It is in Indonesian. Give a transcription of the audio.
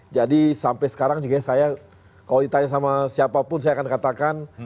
jadi sampai sekarang juga saya kalau ditanya sama siapapun saya akan katakan